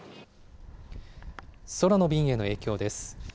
空の便への影響です。